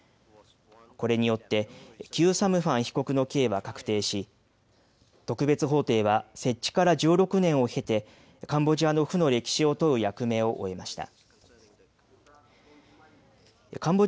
これによってキュー・サムファン被告の刑は確定し特別法廷は設置から１６年を経てカンボジアの負の歴史を問う役目を終えました。